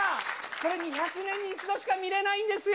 これ、２００年に一度しか見れないんですよ。